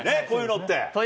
こういうのって。